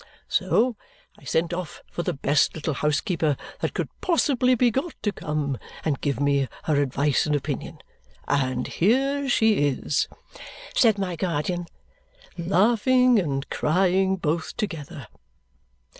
So I sent off for the best little housekeeper that could possibly be got to come and give me her advice and opinion. And here she is," said my guardian, "laughing and crying both together!"